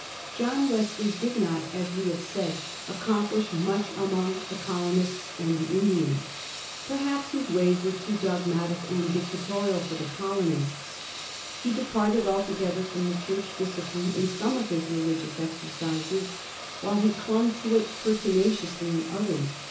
John Wesley did not^ as we have said, accomplish much among the col onists and the Indians. Perhaps his ways were too dog matic and dictatorial for the colonists. He departed alto gether from the Church discipline in some of his religious exercises, while he clung to it pertinaciously in others.